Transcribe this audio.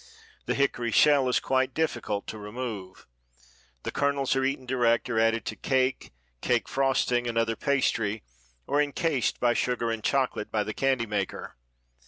The hickory shell is quite difficult to remove. The kernels are eaten direct or added to cake, cake frosting, and other pastry, or encased by sugar and chocolate by the candy maker.